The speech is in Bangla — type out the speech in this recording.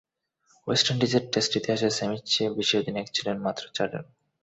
ওয়েস্ট ইন্ডিজের টেস্ট ইতিহাসে স্যামির চেয়ে বেশি ম্যাচে অধিনায়ক ছিলেন মাত্র চারজন।